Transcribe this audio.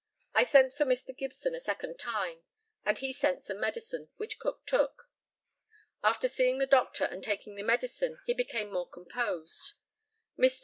I sent for Mr. Gibson a second time, and he sent some medicine, which Cook took. After seeing the doctor and taking the medicine he became more composed. Mr.